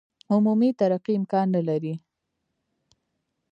عمومي ترقي امکان نه لري.